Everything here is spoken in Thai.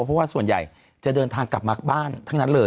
เพราะว่าส่วนใหญ่จะเดินทางกลับมาบ้านทั้งนั้นเลย